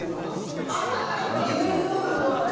あっ夢グループのあれ？